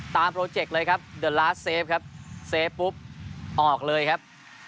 โปรเจคเลยครับเดือนล้าเซฟครับเซฟปุ๊บออกเลยครับ